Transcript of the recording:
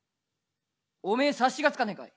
「お前察しがつかねえかい？